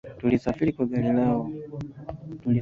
Tulisafiri na gari lao